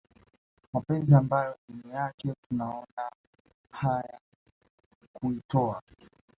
mapenzi ambayo elimu yake tunaona haya kuitowa